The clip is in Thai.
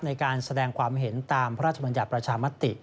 ในการแสดงความเห็นตามพระราชบัญญัติประชามติ